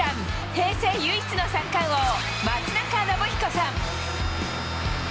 平成唯一の三冠王、松中信彦さん。